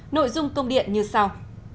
nội dung công điện như sau